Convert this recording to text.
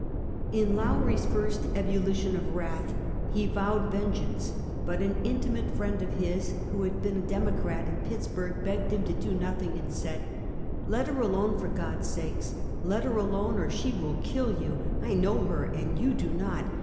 In Lowrie's first ebulition of wrath, he vowed ven geance, but an intimate friend of his, who had been a Democrat in Pittsburg, begged him to do nothing and said: " Let her alone, for God's sake ! Let her alone, or she will kill you. I know her, and you do not.